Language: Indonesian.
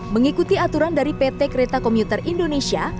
mengikuti aturan dari pt kereta komuter indonesia